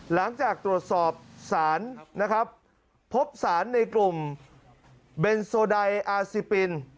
หลังจากตรวจสอบสารนะครับพบสารในกลุ่มเบนโซไดอาซิปิน